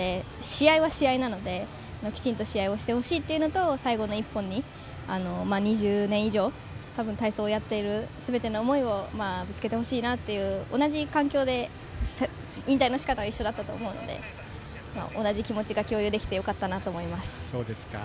試合は試合なので、きちんと試合をしてほしいというのと最後の１本に２０年以上たぶん体操をやっているすべての思いをぶつけてほしいなという同じ環境で引退のしかたは一緒だったと思うので同じ気持ちが共有できてよかったなと思います。